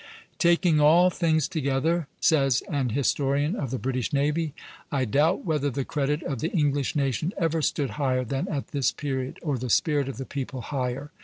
"Taking all things together," says an historian of the British navy, "I doubt whether the credit of the English nation ever stood higher than at this period, or the spirit of the people higher.